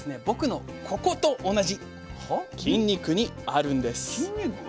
僕のここと同じ筋肉にあるんです。